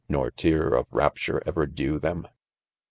— JN T or tear of rapture ever dew them